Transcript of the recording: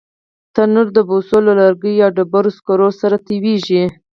تنور د بوسو، لرګیو یا ډبرو سکرو سره تودېږي